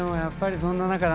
そんな中７